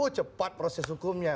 uh cepat proses hukumnya